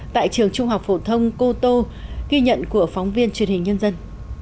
tại trường trung học phổ thông cô tô ghi nhận của phóng viên truyền hình nhân dân